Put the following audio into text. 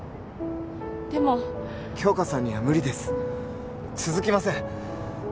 でも杏花さんには無理です続きません